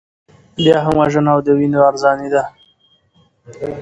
بیا هم وژنه او د وینو ارزاني ده.